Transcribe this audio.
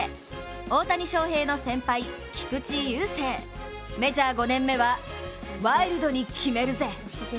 大谷翔平の先輩・菊池雄星メジャー５年目は、ワイルドに決めるぜ！